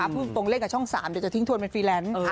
พูดตรงเล่นกับช่อง๓เดี๋ยวจะทิ้งทวนเป็นฟรีแลนซ์